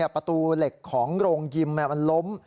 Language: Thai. ประตูเหล็กของโรงยิมมันล้ม